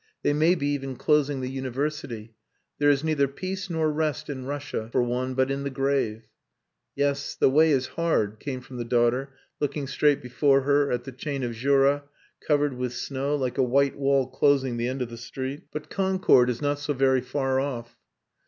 They may be even closing the University. There is neither peace nor rest in Russia for one but in the grave. "Yes. The way is hard," came from the daughter, looking straight before her at the Chain of Jura covered with snow, like a white wall closing the end of the street. "But concord is not so very far off."